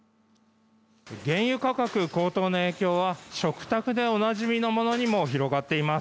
原油価格高騰の影響は食卓でおなじみのものにも広がっています。